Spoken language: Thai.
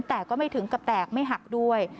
แต่ก็ไม่ถึงกับแตกไม่หักด้วย